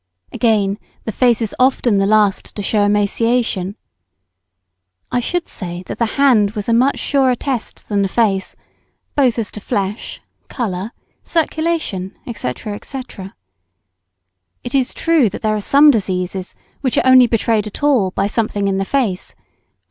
Again, the face is often the last to shew emaciation. I should say that the hand was a much surer test than the face, both as to flesh, colour, circulation, &c., &c. It is true that there are some diseases which are only betrayed at all by something in the face, _e.